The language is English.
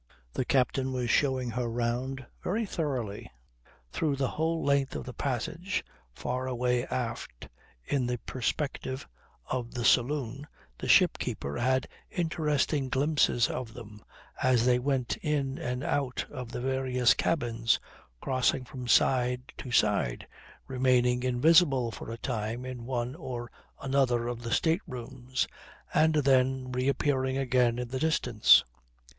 The captain was showing her round very thoroughly. Through the whole length of the passage, far away aft in the perspective of the saloon the ship keeper had interesting glimpses of them as they went in and out of the various cabins, crossing from side to side, remaining invisible for a time in one or another of the state rooms, and then reappearing again in the distance.